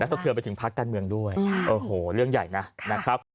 แล้วสะเทือนไปถึงภาคการเมืองด้วยโอ้โหเรื่องใหญ่นะ